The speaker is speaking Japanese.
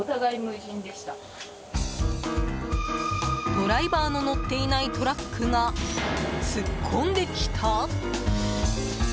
ドライバーの乗っていないトラックが突っ込んできた？